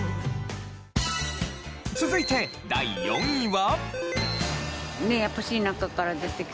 続いて第４位は。